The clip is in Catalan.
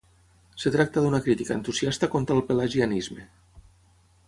Es tracta d'una crítica entusiasta contra el pelagianisme.